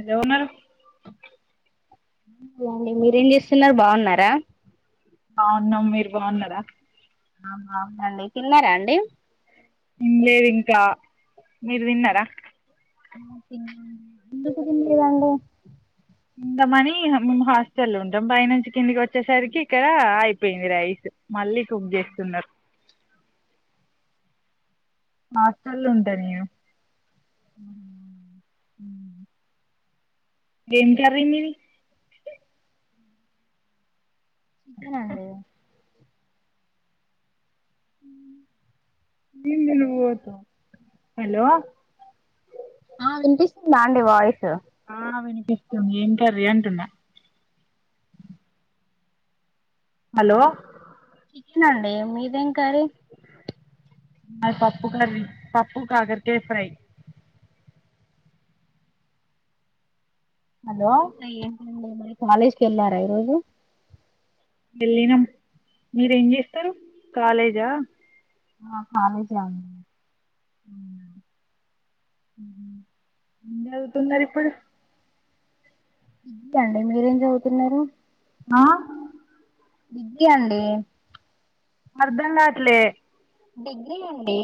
ఎలా ఉన్నారు? మీరేం చేస్తున్నారు బాగున్నారా? బావున్నాం మీరు బావున్నారా ఔను అవునండి తిన్నారా అండి మ్ లేదు ఇంకా మీరు తిన్నారా ఎందుకు తిన్లేదండి తిందామని మేము హాస్టల్ ఉంటాం పై నుంచి కిందికి వచ్చేసరికి ఇక్కడ అయిపోయింది రైస్ మళ్ళీ కుక్ చేస్తున్నారు మా హాస్టల్లో ఉంటా నేను ఉ హ్మ్ ఏం కర్రీ మీది చికెన్ అండి [unintelligible] ఆ వినిపిస్తుందా అండి వాయిస్ ఆ వినిపిస్తుంది ఏం కర్రీ అంటున్నా హలో చికెన్ అండి మీదేం కర్రీ మాది పప్పు కర్రీ. పప్పు కాకరకాయ ఫ్రై హలో హ్మ్ నైట్ [unintelligible] కాలేజ్ కెళ్ళారా ఈరోజు? వెళ్ళినాం, మీరేం చేస్తారు కాలేజా? ఆ కాలేజే అండి. ఏం చదువుతున్నారు ఇప్పుడు [unintelligible] అండి మీరేం చదువుతున్నారు ఆ విద్య అండి అర్ధం కాట్లే డిగ్రీ అండి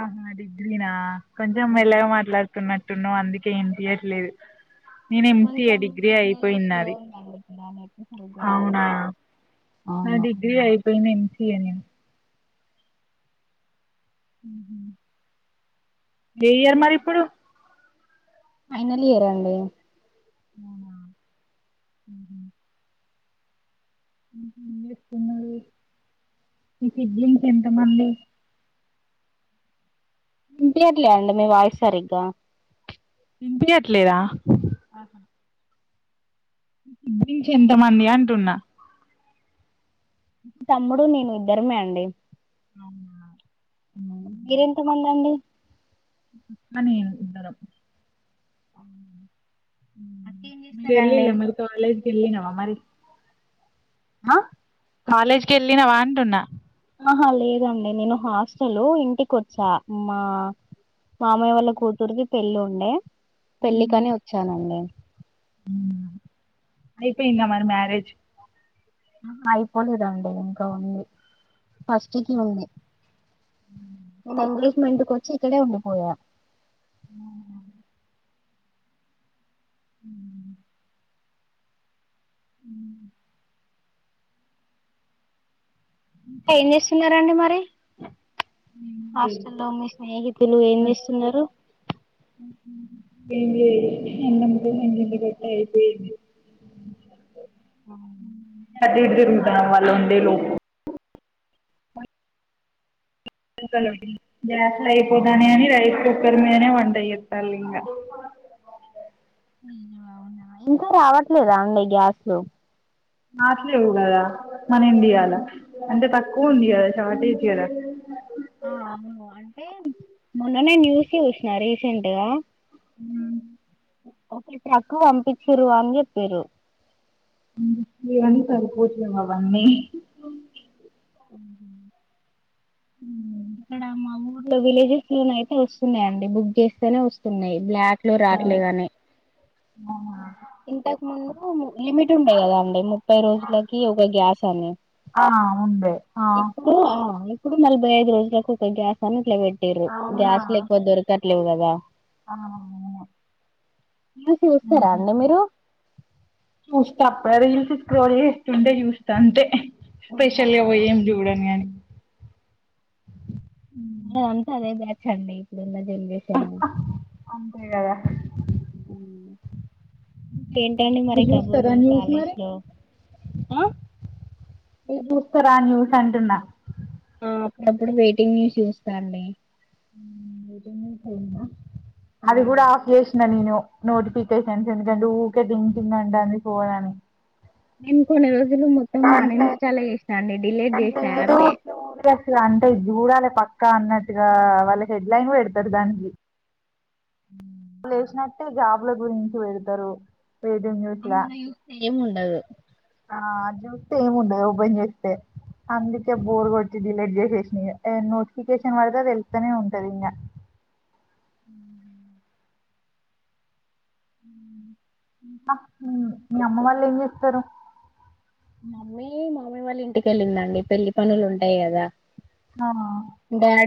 అహా! డిగ్రీనా? కొంచెం ఓ మెల్లగా మాట్లాడ్ ఉన్నట్టున్నావ్ అందుకే వినిపీయట్లేదు నేను ఎం సి ఏ కొంచెం డిగ్రీ సిగ్నల్ అయిపోయింది స్లో నాది [inaudible] అవునా రావట్లేదు నా అవును డిగ్రీ అయిపోయి నేను తీ అనిన్ ఏ ఇయర్ మరి ఇప్పుడు ఫైనల్ ఇయర్ అండి అవునా ఊహూ ఊహూ ఏం చేస్తున్నారు ఈ [inaudible] ఎంత మంది ఇన్పియట్లే అండి మీ వాయిస్ సరిగ్గా ఇన్పియ్యట్లేదా ఆహా [inaudible] ఎంతమంది అంటున్నా తమ్ముడు నేను ఇద్దరమే అండి అవునా మీరెంతమంది అండి మ్మ నేను ఇద్దరం అవునా మ వెల్ల మరి కాలేజ్ వెళ్ళినావా మరి హా కాలేజ్ కి వెళ్ళిన అంటున్న ఆహా లేదండి నేను హాస్టల్ ఇంటికి వచ్చా మా మామయ్య వల్ల కూతురుది పెళ్లి ఉండే పెళ్ళికనే వచ్చానండి అవునా అయిపోయిందా మరి మ్యారేజ్ ఆ అయిపోలేదా అండి ఇంకా ఉంది ఫస్ట్ కి ఉంది ఎంగేజ్మెంట్ కి వచ్చి ఇక్కడే ఉండిపోయా అవున అ హమ్ ఏం చేస్తున్నారండి మరి హాస్టల్లో మీ స్నేహితులు ఏం చేస్తున్నారు [inaudible] ఆ దా వాళ్ళు ఉండే లోపు గ్యాస్ అయిపోతానే అని రైస్ కుక్కర్ మీదనే వంట చేస్తారు ఇంకా అవునా ఇంకా రావట్లేదా అండి గ్యాస్లు రావట్లేదు కదా మన ఇండియా లో అంటే తక్కువ ఉంది కదా షార్టేజ్ కదా ఆ అవును అంటే మొన్ననే న్యూస్ చూసిన రీసెంట్గా ఉన్న ఒక ట్రక్ వంపించిరు అని చెప్పింరు కానీ సరిపోవట్లేవు అవన్నీ ఉహు ఉ ఇక్కడ మా ఊర్లో విలేజెస్ లోన అయితే వస్తున్నాయి అండి బుక్ చేస్తేనే వస్తున్నాయి బ్లాక్ అట్లే రాట్లేగానే నోమా ఇంతకు ముందు లిమిట్ ఉండే గదా అండి ముప్పై రోజులకి ఒక గ్యాస్ అని ఆ ఉండే ఆ ఇప్పుడు ఆ కుడు నలభై ఐదు రోజలకు ఒక గ్యాస్ అని ఇట్ల వెట్టిరు అవునా గ్యాస్ లేకపోతే దొరకత్ లేవు గదా ఆ వువ మీ చూస్తారా అండి మీరు వాడి చూసి స్క్రోల్ చేస్తుండే చూస్తా అంతే స్పెషలీ అవో అవునా ఏం జూడం గాని మాది అంత అదే బ్యాచ్ అండి ఇప్పుడు ఉన్నది ఎమ్ జెస్తానా అంతే కదా ఉ ఏంటండి మరి మీరు చూస్తారా కబుర్లు న్యూస్ కాలేజ్ మరి లో ఆ చూస్తారా న్యూస్ అంటున్నా ఆ అప్పుడప్పుడు వెయిటింగ్ న్యూస్ చూస్తా అండి ఉ మీటింగ్ పోయిందా అది గూడ ఉమ్. ఆఫ్ జేసినా నేను నోటిఫికషన్స్ ఎందుకు అంటే ఊకె టిగ్ టిగ్ అంటంది ఫోన్ అని ఇన్ కొన్ని రోజ్ కులు మొత్తం అన్ అంటే ఇన్స్టాల్ చేసాన అండి డిలీట్ చేసిన ఏదో యాపే క్యూరియస్గా అంటే ఇది చూడాలి పక్కా అన్నట్టుగా వాళ్ళ హెడ్లైన్ వెడతారు దానికి ఉ లేచినట్టే జాబ్ ల గురించి వెడతారు అమ్ నాయు ఏం ఉండదు ఆ చూస్తే ఏము ఉండదు ఓపెన్ చేస్తే అందుకే బోర్ కొట్టి డిలీట్ చేసేసిన ఇగ ఏ నోటిఫికేషన్ పడితే తెలుతానే ఉంటది ఇంగా ఉ మీ అమ్మ వాళ్ళు ఏం చేస్తారు మమ్మీ మమ్మీ వాళ్ళ ఇంటికెళ్ళిందండి పెళ్లి పనులు ఉంటాయి గదా ఆ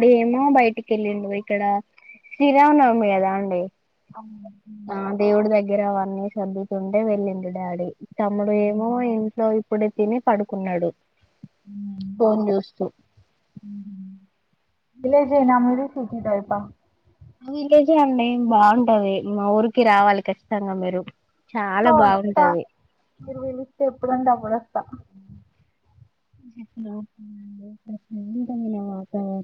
డీ ఏమో బయటికి వెళ్ళిడు ఇక్కడ శ్రీరామనవమి గదా అండి అవును ఆ మ్ దేవుడు దగ్గర అవ అన్నయ్య శాందుతుంటే వెళ్ళిడు డాడీ తమ్ముడు ఏమో మ్ ఏన్ ఇప్పుడైతేనే పాడుకున్నాడు మ్ ఫోన్ చూస్తూ విలేజయనా మీరు సిటీ టైప్ ఆ విలేజ్ అండి బాగుంటది మా ఊరికి రావాలి ఖచ్చితంగా మీరు చాలా ఆ వస్తా బాగుంటది మీరు పిలిస్తే ఎప్పుడుంట అప్పుడుస్తస్త డి అ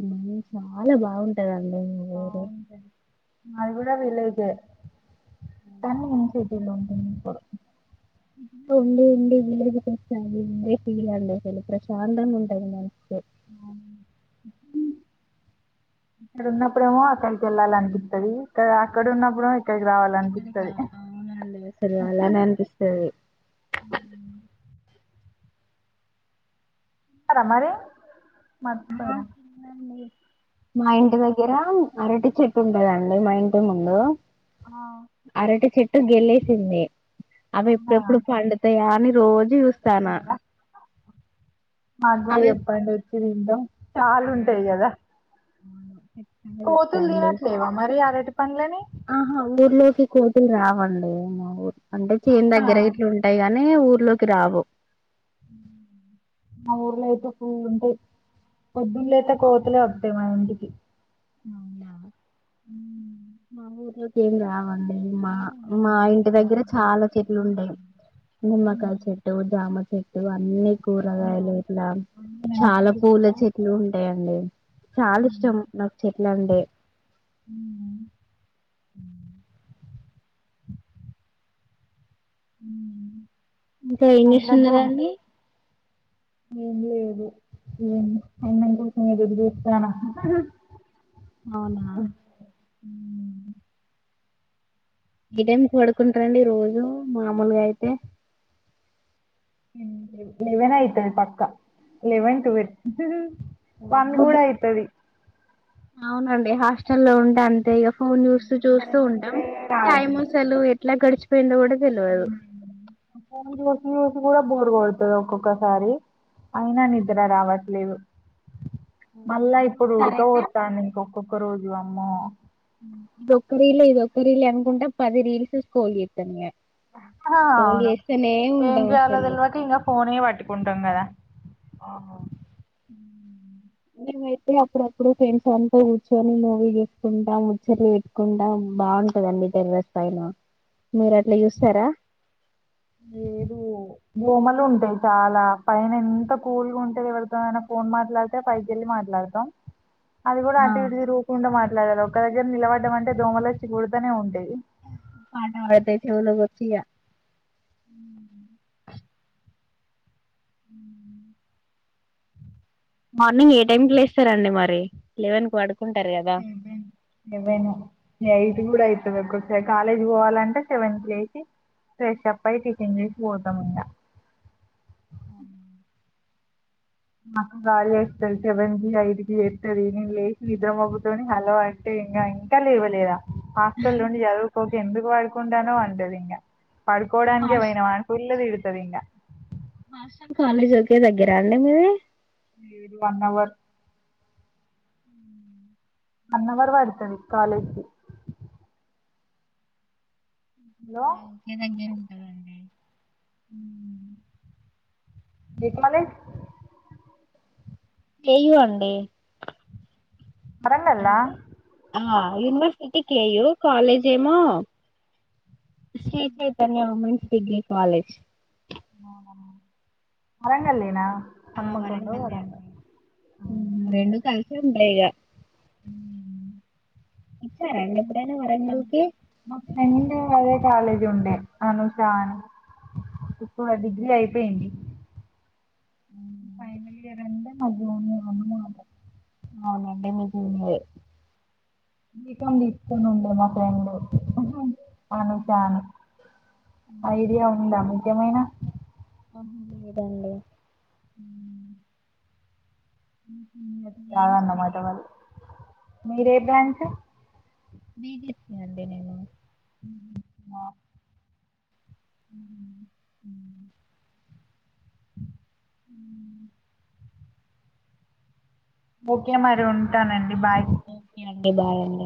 మ చాలా బాగుంటాయి కద బావుంట మాది కు డా విలేజ్ ఎ తన్ని ఎం చెలు ఉండి ఉండి విలేజ ఉందే ఫీల్ అండలు ప్రశాంతంగా ఉంటది మనస్సుకి ఇక్కడ ఉన్నప్పుడేమో అక్కడికి వెళ్ళాలనిపిస్తుది ఇక్క అక్కడ ఉన్నప్పుడు అవునండి అసలు అలానే అపిస్తది మరి మర్చిపోయినా ండి మా ఇంటి దగ్గర అరటి చెట్టు ఉంటదండి మా ఇంటి ముందు ఆ చెట్టు గెళ్లేసింది అవి అవునా ఎప్పుడెప్పుడు పండుతాయా అని రోజు చూస్తానా మాగూడ అవి చెప్పండి వ తినటం చాలు ఆ ఉంటాయి కదా అవును ఖచ్చితంగా చెప్తా కోతులు అండి. తినట్లే లేవా మరి ఆరె పండ్ల నీ ఆహా ఊర్లోకి కోతులు రావండి మా ఊరు అంటే చేను అవునా దగ్గర ఇట్లు ఉంటాయి అన్నే ఊర్లోకి రావు మా ఊర్లోయితే ఫు అంటే పొద్దుళ అయితే కోతలే ఒకటే మా ఇంటికి అ బా ఉ మా ఊకేందా అడి మా ఏం మా ఉండనియ్యవు ఇంకా ఇంటి దగ్గర జామకాయలు చాలా గిట్ల చెట్లు ఏం ఉండయి ఉండనియ్యవు నిమ్మకాయ చెట్టు జామ చెట్టు అన్ని అవునా కూరగాయలు ఇట్లా వండిన చాలా ఆకులు పూల కూడా. చెట్లు ఉంటాయండి చాలా ఉమ్, ఇష్టం నాకు చెట్ల అంటే ఉమ్, అ ఉ ఇంకా ఏం చేస్తున్నారండి ఏం లేదు అన్నం కోసం ఎదురు చూస్తన్నా అవునా మ్మ్ ఈ టైం కొడుకుంటారండి ఈ రోజు మామూలుగా అయితే లెవెన్ యితు పక్క లెవెన్ ట్వెల్ వన్ కూడా అయితది అవునండి హాస్టల్ లో ఉంటే అంతే ఇ న్యూస్ చూస్తూ అరే చూస్తూ ఉంటాం నిద్రే టైమ్ రాదు సలు ఎలా గడిచపోయింద కూడా [unintelligible] ఈజు కూడా బోరు కొడుతుంది ఒక్కొక్కసారి అయినా నిద్ర రావట్లేదు మళ్ళా ఇప్పుడు ఒక్కొక్కసారి అయితే ఉడకపోతాను ఇంకక్కొక్క రోజు వామ్మో ఇదొక్క రీలే ఇదొక్క రీలే అనుకుంటా పది రీల్స్ స్క్రోల్ చేస్తాను ఇగా అవును ఏం ఉంటాం అసలు చేయాలిదిల్వాక ఇంకా ఫోన్యబట్ పెట్టుకుంటాం కదా ఆ ఉ మేమైతే అప్పుడప్పుడు ఫ్రెండ్స్ అంతా కూర్చొని మూవీ చేసుకుంటాం ముచ్చట్లు పెట్టుకుంటాం బాగుంటందండి తెరగ స్థాయిలో మీరు అట్లా చూస్తారా లేదు బూమలు ఉంటాయి చాలా పైన ఎంత కూల్గా ఉంటేది ఎవరితోనైనా ఫోన్ మాట్లాడితే పైకి వెళ్ళి మాట్లాడతాం అది కూడా ఆ అటు ఇటు తిరుగుకుంటా మట్ అలా ఒక దగ్గర నిలబడ్డం అంటే దోమలచ్చిూడుతనే ఉంటాయి పాట పాడతాయి చెవులోకి వచ్చి ఇక మార్నింగ్ ఏ టైమ్ క లేస్తారండి మరి లెవెన్ కు పడు ఇవే ఇవ్వేను నైటు కూడాయితే కాలేజ్ ఇస్ పోవాలంటే సెవెన్ కి లేచి ఫ్రెష్ అప్ అయ్యి టిఫెన్ చేసి పోతామింగా అ మాక్క గాలి వేస్తంది సెవెన్ గి ఐదుకిి వస్తంది నేను లేసి నిద్రమ్గుతోని హలో అంటే ఇంకా ఇంకా లేవలేదా హాస్టల్ నుండి చదువుకోక ఎందుకు పడుకుంటానో వంటదు ఇంకా పడుకోవడానికే పోయినావా అని ఫుల్లు తిడ్తది డింగా హాస్టల్ కాలేజ్ ఓకే దగ్గర అని మీదీ వన్అవర్ వన్ అవర్ పడ్తది కాలేజ్ కి హలో లేదండి ఎం ఉండదండి మీకు మరి కే యు అండీ వరంగల్లా అంటే ఆ ఎ యూనివర్ టి కే యూ కాలేజేమో శ్రీ చైతన్య అండీ డిగ్రి కాలేజ్ వరంగళ్లేనా ఆ వరంగల్లే అండి రెండ కలిసే ఉంటాయిగా వచ్చారండి ఎప్పుడైనా హ వరంగల్ కి మ ఫ్రెండ్ అదే కాలేజ్ ఉండే అనుషా అని ఇప్పుడు అది డిగ్రీ అయిపోయింది ఫైనల్ ఇయర్ అంట అద్దుమానం అన్నే అన్లే అవునండి మీకు మీరే బి కమ్ తీసుకొని ఉండే మా ఫ్రెండ్ అనుష అని ఐడియా ఉంద ద్యమైన ఆ లేదండి అ ఉ నేమ్స్ ఆదన్నమాట తెలియదు మల్ల మీరే బ్రాంచ్ బీ జెడ్ సి అండీ నేను ఆ ఉ ఓకే మరి ఉం ఓకే అండి బాయ్ అండి